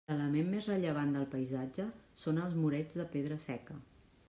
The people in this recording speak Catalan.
L'element més rellevant del paisatge són els murets de pedra seca.